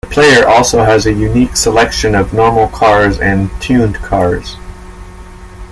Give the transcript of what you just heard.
The player also has a unique selection of normal cars and tuned cars.